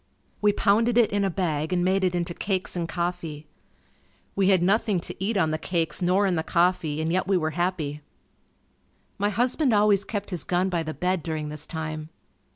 We pounded it in a bag and made it into cakes and coffee. We had nothing to eat on the cakes nor in the coffee and yet we were happy. My husband always kept his gun by the bed during this time.